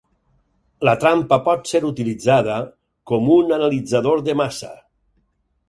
La trampa pot ser utilitzada com un analitzador de massa.